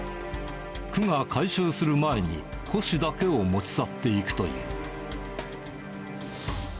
区が回収する前に、古紙だけを持ち去っていくという。